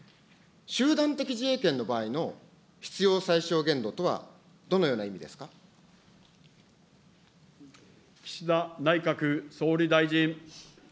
集団的自衛権の場合の必要最小限岸田内閣総理大臣。